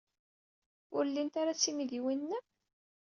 Ur llint ara d timidiwin-nnem?